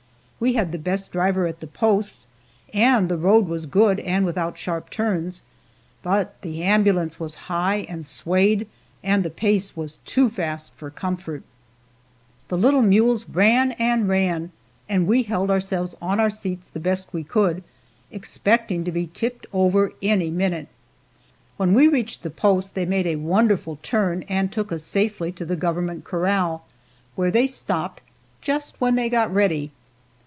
We had the best driver at the post, and the road was good and without sharp turns, but the ambulance was high and swayed, and the pace was too fast for comfort. The little mules ran and ran, and we held ourselves on our seats the best we could, expecting to be tipped over any minute. When we reached the post they made a wonderful turn and took us safely to the government corral, where they stopped, just when they got ready.